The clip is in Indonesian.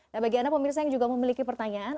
nah bagi anda pemirsa yang juga memiliki pertanyaan